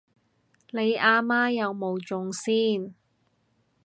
你阿媽有冇中先？